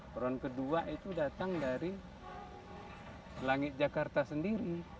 peron kedua itu datang dari langit jakarta sendiri